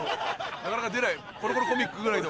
なかなか出ない『コロコロコミック』ぐらいの。